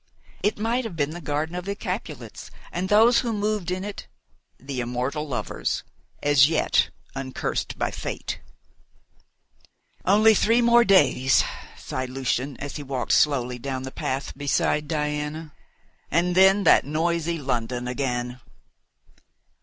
It might have been the garden of the Capulets, and those who moved in it the immortal lovers, as yet uncursed by Fate. "Only three more days," sighed Lucian as he walked slowly down the path beside Diana, "and then that noisy London again."